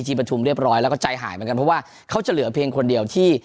ประชุมเรียบร้อยแล้วก็ใจหายเหมือนกันเพราะว่าเขาจะเหลือเพียงคนเดียวที่